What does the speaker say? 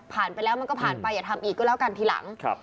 ไปแล้วมันก็ผ่านไปอย่าทำอีกก็แล้วกันทีหลัง